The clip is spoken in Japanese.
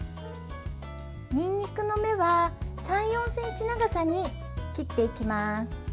にんにくの芽は３４ｃｍ長さに切っていきます。